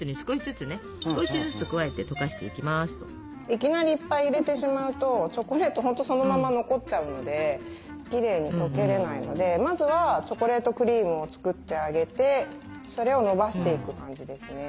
いきなりいっぱい入れてしまうとチョコレート本当そのまま残っちゃうのできれいにとけれないのでまずはチョコレートクリームを作ってあげてそれをのばしていく感じですね。